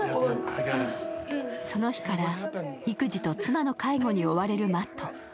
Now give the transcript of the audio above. その日から育児と妻の介護に追われるマット。